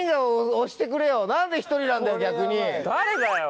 何で１人なんだよ